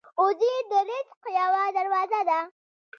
وزې د رزق یوه دروازه ده